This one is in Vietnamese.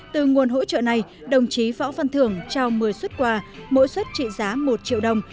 từ nguồn hỗ trợ này đồng chí võ văn thường trao một mươi xuất quà mỗi xuất trị giá một triệu đồng